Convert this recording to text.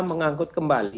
mengangkat ke saudi